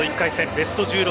ベスト１６